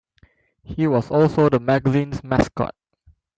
He was also the magazine's mascot.